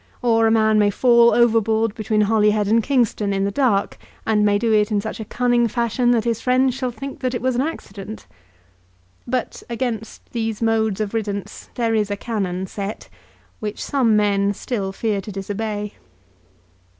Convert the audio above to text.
Or a man may fall overboard between Holyhead and Kingston in the dark, and may do it in such a cunning fashion that his friends shall think that it was an accident. But against these modes of riddance there is a canon set, which some men still fear to disobey.